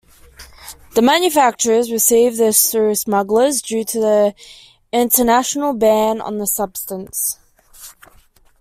The manufacturers receive this through smugglers, due to the international ban on the substance.